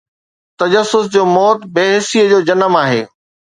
تجسس جو موت بي حسيءَ جو جنم آهي.